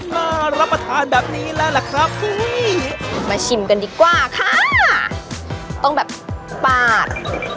น่ารับประทานแบบนี้แล้วล่ะครับมาชิมกันดีกว่าค่ะต้องแบบปาด